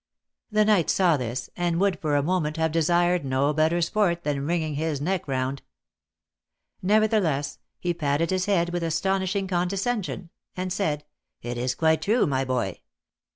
The knight saw this, and would for a moment have desired no better sport than wringing his neck round ; nevertheless, he patted his head with as tonishing condescension, and said, " It is quite true, my boy.